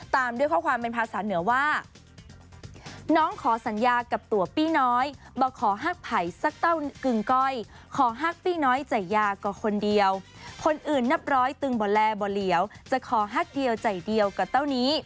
ตามด้วยข้อความเป็นภาษาเหนือว่า